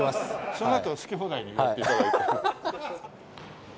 そのあと好き放題にやって頂いて。